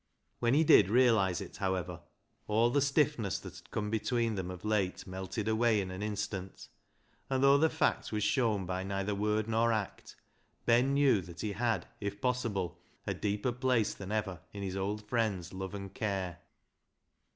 When he did realise it, however, all the stiffness which had come between them of late melted away in an instant, and though the fact was shown by neither word nor act, Ben knew that he had, if possible, a deeper place than ever in his old friend's love and care.